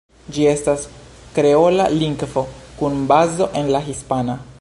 Ĝi estas kreola lingvo, kun bazo en la hispana.